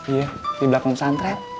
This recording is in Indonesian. iya di belakang santren